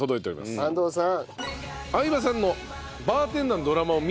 安藤さん。